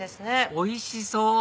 おいしそう！